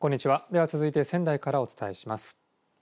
では続いて仙台からお伝えします。